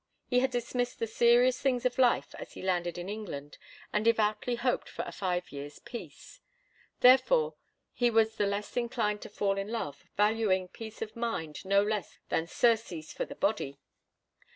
He had dismissed the serious things of life as he landed in England, and devoutly hoped for a five years' peace. Therefore was he the less inclined to fall in love, valuing peace of mind no less than surcease for the body.